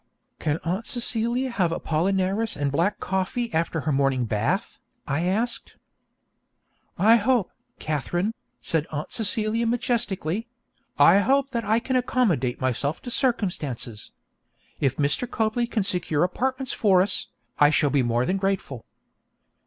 'Can Aunt Celia have Apollinaris and black coffee after her morning bath?' I asked. 'I hope, Katharine,' said Aunt Celia majestically 'I hope that I can accommodate myself to circumstances. If Mr. Copley can secure apartments for us, I shall be more than grateful.'